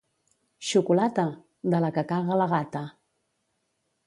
—Xocolata! —De la que caga la gata.